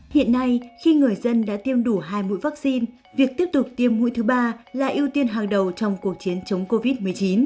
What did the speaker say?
hiện nay khi người dân đã tiêm đủ hai mũi vaccine việc tiếp tục tiêm mũi thứ ba là ưu tiên hàng đầu trong cuộc chiến chống covid một mươi chín